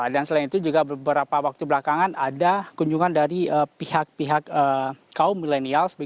dan selain itu juga beberapa waktu belakangan ada kunjungan dari pihak pihak kaum milenial